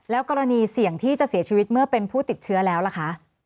กรณีเสี่ยงที่จะเสียชีวิตเมื่อเป็นผู้ติดเชื้อแล้วล่ะคะ